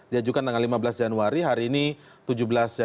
dia juga tanggal lima belas januari hari ini tujuh belas januari ya